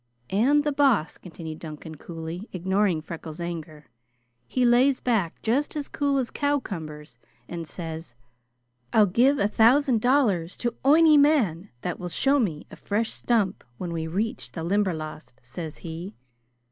"And the Boss," continued Duncan, coolly ignoring Freckles' anger, "he lays back just as cool as cowcumbers an' says: 'I'll give a thousand dollars to ony man that will show me a fresh stump when we reach the Limberlost,' says he.